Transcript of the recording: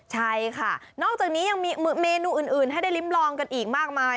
ใช่ค่ะนอกจากนี้ยังมีเมนูอื่นให้ได้ริมลองกันอีกมากมาย